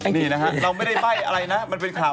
นี่นะฮะเราไม่ได้ใบ้อะไรนะมันเป็นข่าว